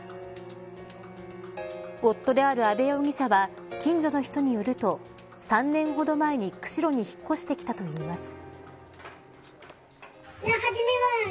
夫である阿部容疑者は近所の人によると３年ほど前に釧路に引っ越してきたといいます。